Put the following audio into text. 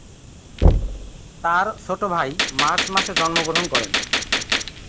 তার ছোট ভাই মার্চ মাসে জন্মগ্রহণ করে।